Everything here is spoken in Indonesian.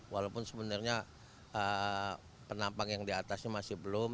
walaupun sebenarnya penampang yang diatasnya masih belum